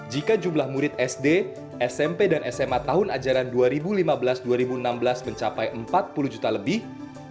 jika jumlah murid sd smp dan sma tahun ajaran dua ribu lima belas dua ribu enam belas mencapai empat puluh juta lebih